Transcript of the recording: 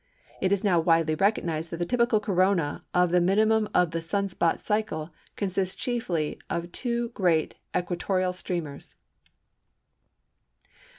It is now widely recognised that the typical Corona of the minimum of the Sun spot cycle consists chiefly of two great equatorial streamers."